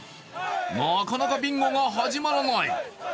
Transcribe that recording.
なかなかビンゴが始まらない。